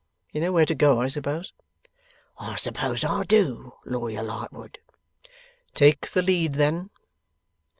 You know where to go, I suppose?' 'I suppose I do, Lawyer Lightwood.' 'Take the lead, then.